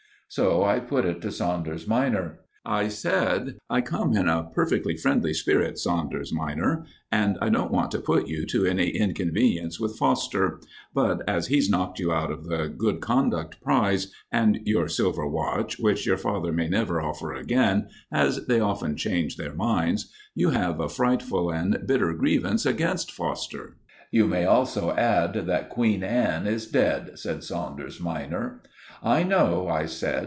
So I put it to Saunders minor. I said, "I come in a perfectly friendly spirit, Saunders minor, and I don't want to put you to any inconvenience with Foster. But, as he's knocked you out of the Good Conduct Prize and your silver watch, which your father may never offer again, as they often change their minds, you have a frightful and bitter grievance against Foster." "You may also add that Queen Anne is dead," said Saunders minor. "I know," I said.